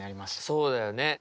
そうだよね。